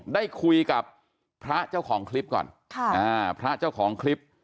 ได้คุยกับพระเจ้าของคลิปก่อนค่ะอ่าพระเจ้าของคลิป